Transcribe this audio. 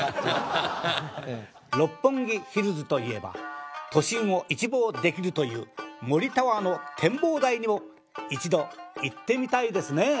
六本木ヒルズといえば都心を一望できるという森タワーの展望台にも一度行ってみたいですね。